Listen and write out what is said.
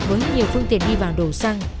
với nhiều phương tiện đi vào đồ xăng